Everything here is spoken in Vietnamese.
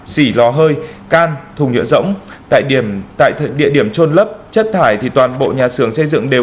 xỉ lò hơi can thùng nhựa rỗng tại địa điểm trôn lấp chất thải thì toàn bộ nhà xưởng xây dựng đều